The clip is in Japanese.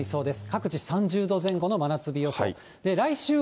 各地３０度前後の真夏日予想。